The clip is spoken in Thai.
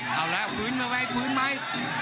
เอาแล้วฟื้นมาไหมฟื้นไหม